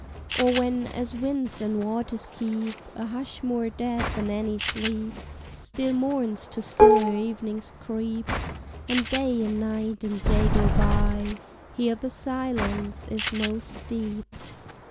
Or when, as winds and waters keep A hush more dead than any sleep, Still morns to stiller evenings creep, And Day and Night and Day go by; Here the silence is most deep.